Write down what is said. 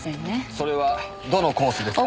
それはどのコースですか？